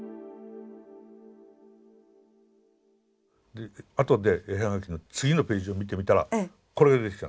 であとで絵葉書の次のページを見てみたらこれが出てきたんです。